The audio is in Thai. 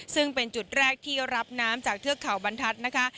ซึ่งเป็นจุดแรกที่รับน้ำจากเทือกเขาบรรทัศน์นะคะ